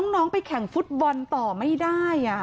น้องไปแข่งฟุตบอลต่อไม่ได้